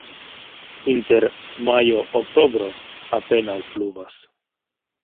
Inter majo-oktobro apenaŭ pluvas.